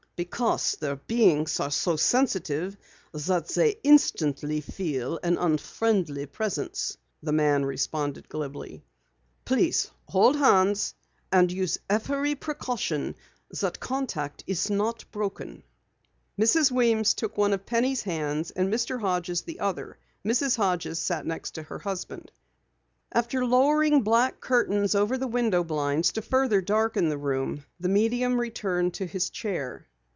"Because their beings are so sensitive that they instantly feel an unfriendly presence," the man responded glibly. "Please hold hands, and use every precaution that contact is not broken." Mrs. Weems took one of Penny's hands and Mr. Hodges the other. Mrs. Hodges sat next to her husband. After lowering black curtains over the window blinds to further darken the room, the medium returned to his chair.